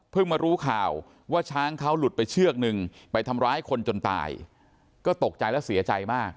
มารู้ข่าวว่าช้างเขาหลุดไปเชือกนึงไปทำร้ายคนจนตายก็ตกใจและเสียใจมาก